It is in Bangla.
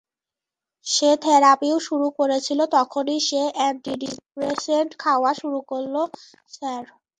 সে থেরাপিও শুরু করেছিল, তখনই সে অ্যান্টিডিপ্রেসেন্ট খাওয়া শুরু করে, স্যার।